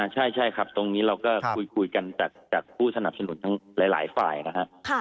ใช่ครับตรงนี้เราก็คุยกันจากผู้สนับสนุนทั้งหลายฝ่ายนะครับ